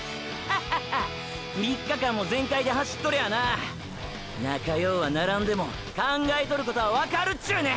ッハハハ３日間も全開で走っとりゃあな仲良うはならんでも考えとることはわかるっちゅうねん！！